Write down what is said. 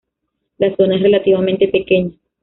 La zona es relativamente pequeña.